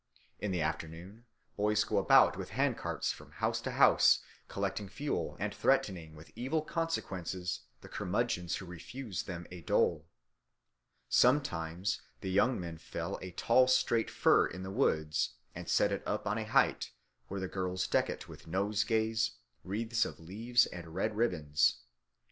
In the afternoon boys go about with handcarts from house to house collecting fuel and threatening with evil consequences the curmudgeons who refuse them a dole. Sometimes the young men fell a tall straight fir in the woods and set it up on a height, where the girls deck it with nosegays, wreaths of leaves, and red ribbons.